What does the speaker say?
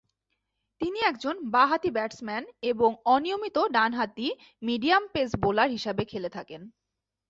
তিনি একজন বা-হাতি ব্যাটসম্যান এবং অনিয়মিত ডান হাতি মিডিয়াম পেস বোলার হিসেবে খেলে থাকেন।